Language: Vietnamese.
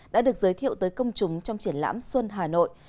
đã được giới thiệu tới công chúng trong triển lãm xuân hà nội